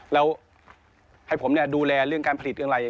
แล้วให้ผมดูแลเรื่องการผลิตเรื่องอะไร